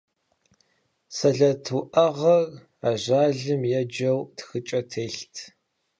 Сэлэт уӀэгъэр ажалым еджэу тхыкӀэ телът.